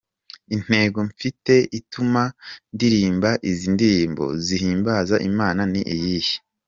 Intego mfite ituma ndirimba izi ndirimbo zihimbaza Imana ni iyihe? .